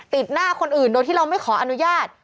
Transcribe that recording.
หน้าคนอื่นโดยที่เราไม่ขออนุญาต